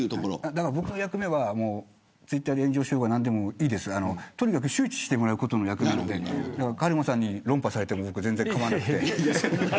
僕の役目はツイッターで炎上しようが何でもいいですけどとにかく周知してもらうことなのでカルマさんに論破されても全然構わなくて。